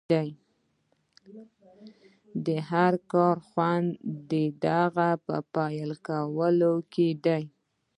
د هر کار خوند د هغه په پيل کولو کې دی.